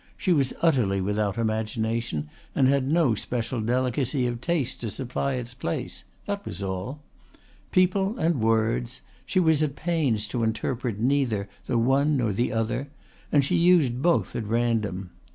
She was utterly without imagination and had no special delicacy of taste to supply its place that was all. People and words she was at pains to interpret neither the one nor the other and she used both at random.